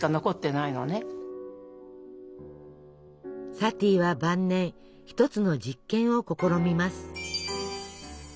サティは晩年一つの実験を試みます。